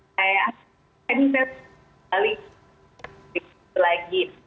kayak ini sekali lagi